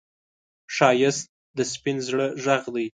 ښایست د سپين زړه غږ دی